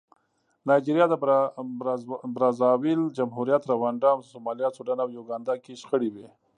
نایجریا، د برازاویل جمهوریت، رونډا، سومالیا، سوډان او یوګانډا کې شخړې وې.